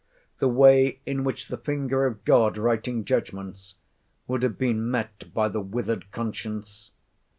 the way in which the finger of God, writing judgments, would have been met by the withered conscience?